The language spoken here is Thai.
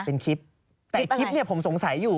เป็นคลิปแต่คลิปเนี่ยผมสงสัยอยู่